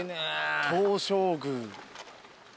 東照宮。